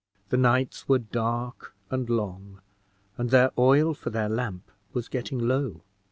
The nights were dark and long, and their oil for their lamp was getting low.